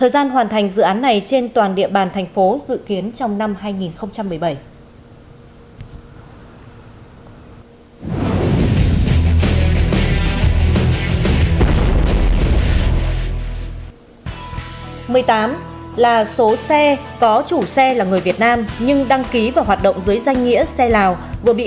cảm ơn các bạn đã theo dõi và hẹn gặp lại